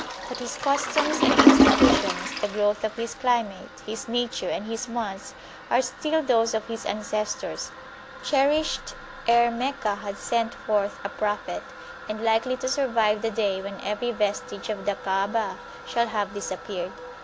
But his customs and institutions, the growth of his climate, his nature, and his wants, are still those of his ancestors, cherished ere Meccah had sent forth a Prophet, and likely to survive the day when every vestige of the Kaabah shall have disappeared.